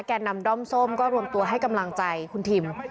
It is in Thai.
แก่นำด้อมส้มก็รวมตัวให้กำลังใจคุณทิม